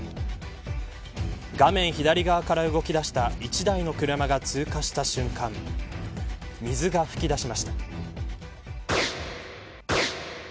画面左側から動きだした１台の車が通過した瞬間水が噴き出しました。